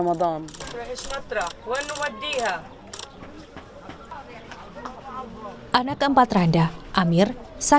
pada hari pertama ramadhan